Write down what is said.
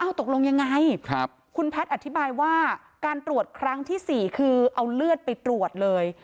ตกลงยังไงคุณแพทย์อธิบายว่าการตรวจครั้งที่๔คือเอาเลือดไปตรวจเลย